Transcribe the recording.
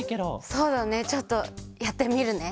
そうだねちょっとやってみるね。